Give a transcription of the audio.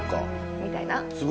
みたいな。